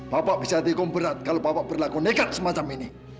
bapak bisa dikomperat kalau bapak berlaku nekat semacam ini